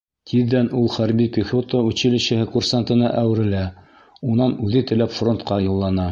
Тиҙҙән ул хәрби пехота училищеһы курсантына әүерелә, унан үҙе теләп фронтҡа юллана.